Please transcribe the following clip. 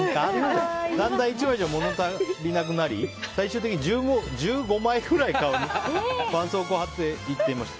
だんだん１枚じゃ物足りなくなり最終的に１５枚くらい顔にばんそうこうを貼って行っていました。